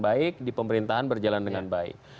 baik di pemerintahan berjalan dengan baik